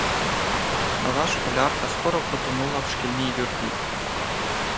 Нова школярка скоро потонула в шкільній юрбі.